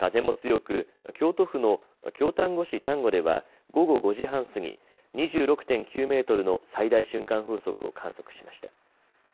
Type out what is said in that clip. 風も強く京都府の京丹後市丹後では午後５時半過ぎ２６．９メートルの最大瞬間風速を観測しました。